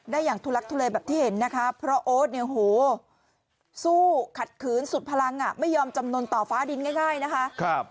อย่างทุลักทุเลแบบที่เห็นนะคะเพราะโอ๊ตเนี่ยโหสู้ขัดขืนสุดพลังไม่ยอมจำนวนต่อฟ้าดินง่ายนะคะ